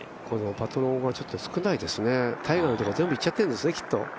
ここのパトロン、ちょっと少ないですね、タイガーのところへ全部行っちゃってるんですね。